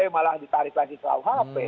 malah ditarik lagi ke kuhp